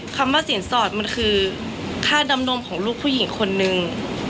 คำว่าสินสอดมันคือค่าดำนมของลูกผู้หญิงคนนึง